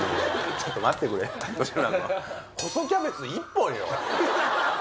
ちょっと待ってくれ吉村。